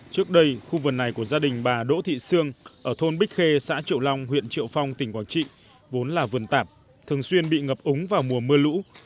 trước đây khu vườn này của gia đình bà đỗ thị sương ở thôn bích khê xã triệu long huyện triệu phong tỉnh quảng trị vốn là vườn tạp thường xuyên bị ngập úng vào mùa mưa lũ